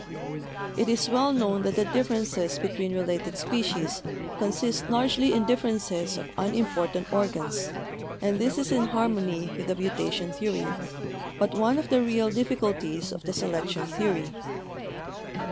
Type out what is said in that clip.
"It is well known that the differences between related species consist largely in differences of unimportant or gans, and this is in harmony with the mutation theory, but one of the real difficulties of the selection theory.